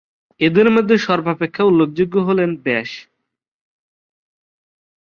এঁদের মধ্যে সর্বাপেক্ষা উল্লেখযোগ্য হলেন ব্যাস।